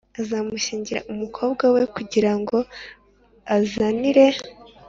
Azamushyingira umukobwa we kugira ngo azanire